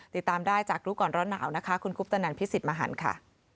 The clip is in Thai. ติดตามได้จากรู้ก่อนร้อนหนาวนะคะคุณคุปตนันพิสิทธิ์มหันค่ะ